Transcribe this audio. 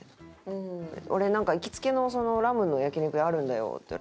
俺行きつけのラムの焼肉屋あるんだよって。